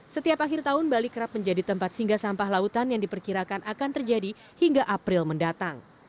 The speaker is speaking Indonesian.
setiap akhir tahun bali kerap menjadi tempat singgah sampah lautan yang diperkirakan akan terjadi hingga april mendatang